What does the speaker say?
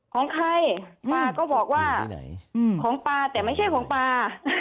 ของใครป้าก็บอกว่าของปลาแต่ไม่ใช่ของปลา